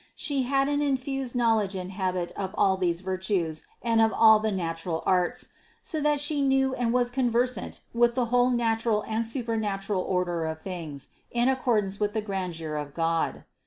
She had an infused knowledge and habit of all these virtues and of all the natural arts, so that She knew and was conversant with the whole natural and supernatural order of things, in accordance with the grandeur of God.